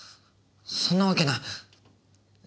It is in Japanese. そんなわけない。